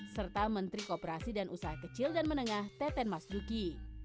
serta menteri kooperasi dan usaha kecil dan menengah teten mas duki